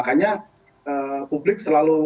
karena publik selalu